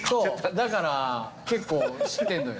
だから結構知ってんのよ。